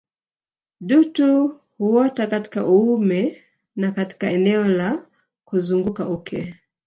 Dutu huota katika uume na katika eneo la kuzunguka uke